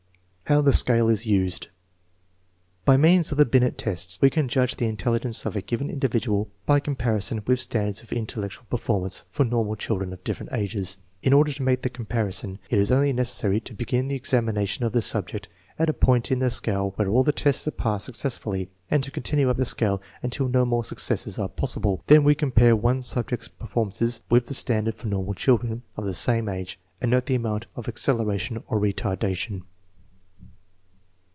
How the scale is used. By means of the Binet tests we can judge the intelligence of a given individual by compari son with standards of intellectual performance for normal children of different ages. In order to make the comparison it is only necessary to begin the examination of the subject at a point in the scale where all the tests are passed suc cessfully, and to continue up the scale until no more suc cesses are possible. Then we compare our subject's per formances with the standard for normal children of the same age, and note the amount of acceleration or retarda tion.